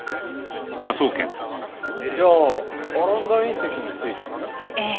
じゃあアランダ隕石についても？ええ。